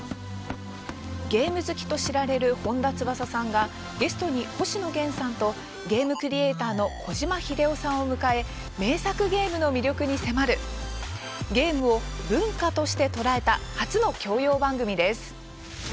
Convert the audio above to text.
ゲーム好きとして知られる本田翼さんがゲストに星野源さんとゲームクリエーターの小島秀夫さんを迎え名作ゲームの魅力に迫るゲームを文化として捉えた初の教養番組です。